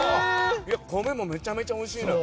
米もめちゃめちゃおいしいのよ。